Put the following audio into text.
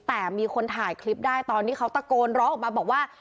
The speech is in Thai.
แต่มีคนถ่ายคลิปได้ตอนที่เขาตะโกนร้องออกมาบอกว่า